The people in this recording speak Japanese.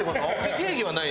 定義はない。